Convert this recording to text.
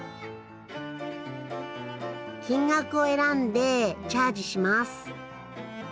金額を選んでチャージします。